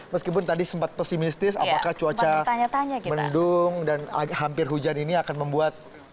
meskipun tadi sempat pesimistis apakah cuaca mendung dan hampir hujan ini akan membuat